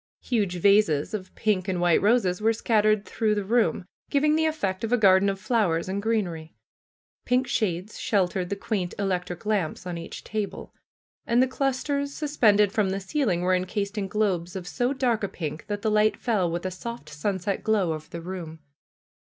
Huge vases of pink and white roses were scattered through the room, giving the effect of a garden of fiowers and greenery. Pink shades sheltered the quaint electric lamps on each table. And the clusters suspended from the ceil ing were encased in globes of so dark a pink that the light fell with a soft sunset glow over the room.